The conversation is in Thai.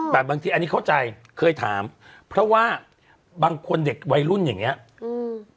แต่บางทีอันนี้เข้าใจเคยถามเพราะว่าบางคนเด็กวัยรุ่นอย่างเงี้ยอืม